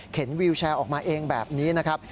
วิวแชร์ออกมาเองแบบนี้นะครับ